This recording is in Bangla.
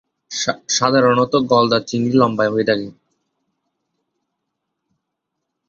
সাধারণতঃ গলদা-চিংড়ি লম্বায় হয়ে থাকে।